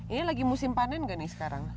ini lagi musim panen nggak nih sekarang